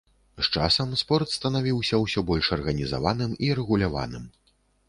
З часам спорт станавіўся ўсё больш арганізаваным і рэгуляваным.